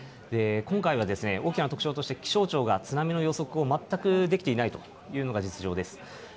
今回は大きな特徴として、気象庁が津波の予測を全くできていないというのが実情です。